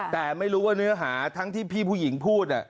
แต่ไม่รู้ว่าเนื้อหาทั้งที่พี่ผู้หญิงพูด